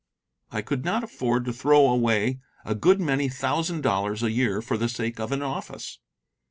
I could not afford to throw away a good many thousand dollars a year for the sake of an office.